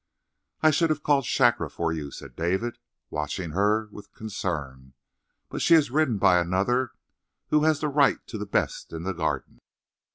"I should have called Shakra for you," said David, watching her with concern, "but she is ridden by another who has the right to the best in the garden."